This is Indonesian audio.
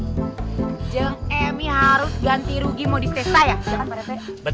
bu emi harus ganti rugi modis testa ya bukan pak rt